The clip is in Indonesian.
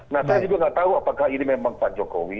nah saya juga nggak tahu apakah ini memang pak jokowi